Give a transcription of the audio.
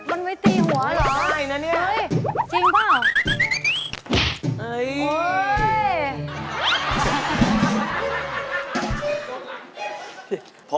โอ้โถ